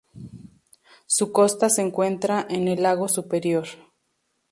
Su costa se encuentra en el lago Superior.